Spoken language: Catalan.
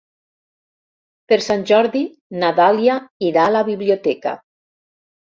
Per Sant Jordi na Dàlia irà a la biblioteca.